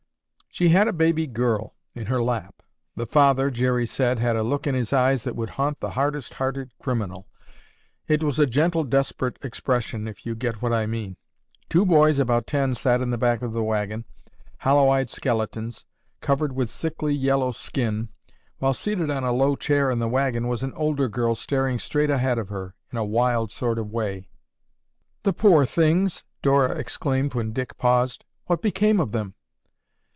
She had a baby girl in her lap. The father, Jerry said, had a look in his eyes that would haunt the hardest hearted criminal. It was a gentle desperate expression, if you get what I mean. Two boys about ten sat in the back of the wagon, hollow eyed skeletons, covered with sickly yellow skin, while seated on a low chair in the wagon was an older girl staring straight ahead of her in a wild sort of a way." "The poor things!" Dora exclaimed when Dick paused. "What became of them?"